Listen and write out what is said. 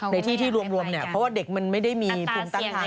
ในที่ที่รวมเนี่ยเพราะว่าเด็กมันไม่ได้มีภูมิต้านทาน